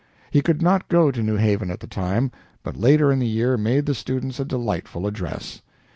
He could not go to New Haven at the time, but later in the year made the students a delightful address.